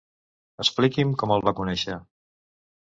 Expliqui'm com el va conèixer.